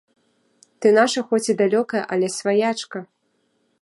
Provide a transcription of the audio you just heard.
Ты наша, хоць і далёкая, але сваячка.